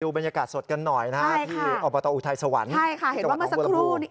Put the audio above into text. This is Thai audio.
ดูบรรยากาศสดกันหน่อยที่ออุทัยสวรรค์น้องบัวลำพู